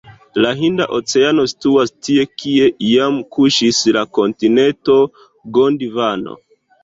La Hinda Oceano situas tie, kie iam kuŝis la kontinento Gondvano.